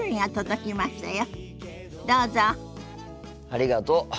ありがとう。